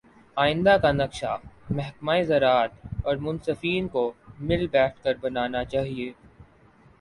آئندہ کا نقشہ محکمہ زراعت اورمنصفین کو مل بیٹھ کر بنانا چاہیے